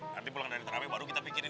nanti pulang dari terawih baru kita pikirin